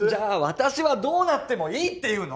私はどうなってもいいっていうの？